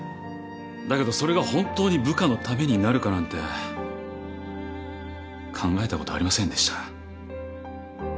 だけどそれが本当に部下のためになるかなんて考えたことありませんでした。